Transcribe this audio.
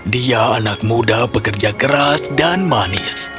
dia anak muda pekerja keras dan manis